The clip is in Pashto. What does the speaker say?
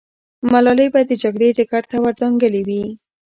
ملالۍ به د جګړې ډګر ته ور دانګلې وي.